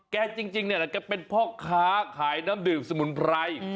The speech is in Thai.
แกจริงนี่แกเป็นพี่ขาขายน้ำดื่มสมุนไพร